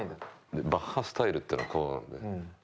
でバッハスタイルっていうのがこうなんだよね。